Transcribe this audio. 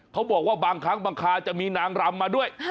เขาบอกว่าบางครั้งบางคาจะมีนางรำมาด้วย